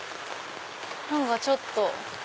何かちょっと。